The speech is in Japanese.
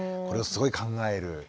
これすごい考える。